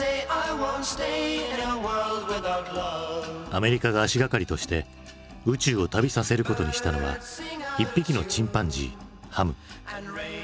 アメリカが足掛かりとして宇宙を旅させることにしたのは一匹のチンパンジーハム。